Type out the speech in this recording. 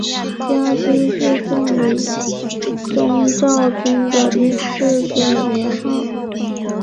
嘉熙是宋理宗赵昀的第四个年号。